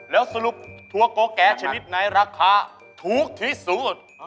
แล้วสรุปถั่วโกแก่ชนิดไหนราคาถูกที่สุด